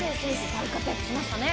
大活躍しましたね！